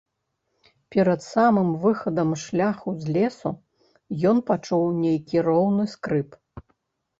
Перад самым выхадам шляху з лесу, ён пачуў нейкі роўны скрып.